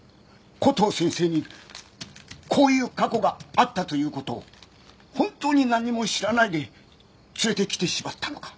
コトー先生にこういう過去があったということを本当に何も知らないで連れて来てしまったのか？